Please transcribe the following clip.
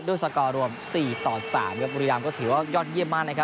ด้วยสกอรวมสี่ต่อสามครับบุรีรามก็ถือยอดเยี่ยมมากนะครับ